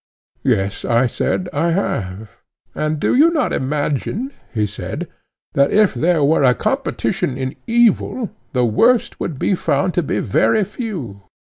Yes, I said, I have. And do you not imagine, he said, that if there were a competition in evil, the worst would be found to be very few?